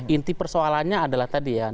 inti persoalannya adalah tadi ya